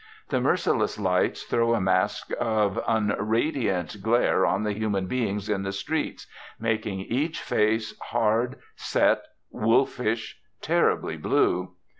The merciless lights throw a mask of unradiant glare on the human beings in the streets, making each face hard, set, wolfish, terribly blue.